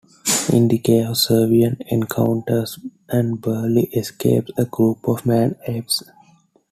In the cave, Severian encounters and barely escapes a group of man-apes.